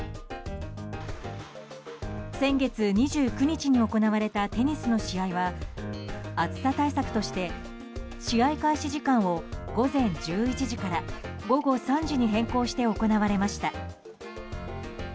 先月２９日に行われたテニスの試合は暑さ対策として試合開始時間を午前１１時から午後３時に変更して行われました。